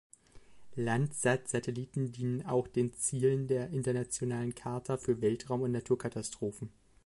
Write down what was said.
Landsat-Satelliten dienen auch den Zielen der Internationalen Charta für Weltraum und Naturkatastrophen.